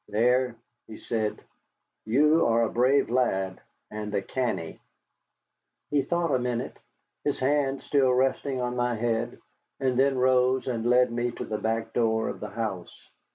"There," he said, "you are a brave lad, and a canny." He thought a minute, his hand still resting on my head, and then rose and led me to the back door of the house.